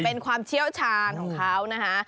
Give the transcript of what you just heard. เป็นความเชี่ยวชาญของเขานะคะ